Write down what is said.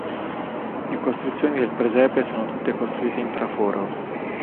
Le costruzioni del presepe sono tutte costruite in traforo.